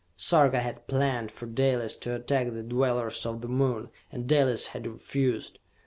Sarka had planned for Dalis to attack the dwellers of the Moon, and Dalis had refused.